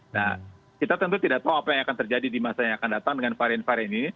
nah kita tentu tidak tahu apa yang akan terjadi di masa yang akan datang dengan varian varian ini